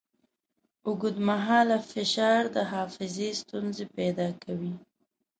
اوږدمهاله فشار د حافظې ستونزې پیدا کوي.